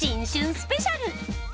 スペシャル